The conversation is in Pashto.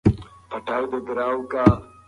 کېدی شي دغه ځوان له پاڼې سره مرسته وکړي.